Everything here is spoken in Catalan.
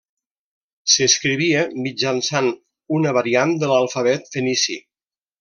S'escrivia mitjançant una variant de l'alfabet fenici.